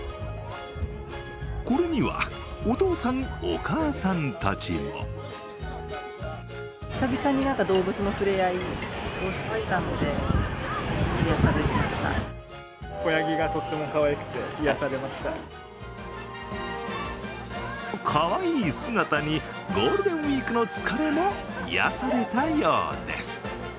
これにはお父さん、お母さんたちもかわいい姿にゴールデンウイークの疲れも癒やされたようです。